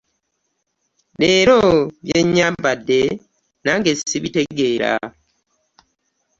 Leero byenyambadde nange sibitegera.